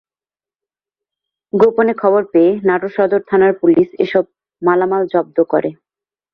গোপনে খবর পেয়ে নাটোর সদর থানার পুলিশ এসব মালামাল জব্দ করে।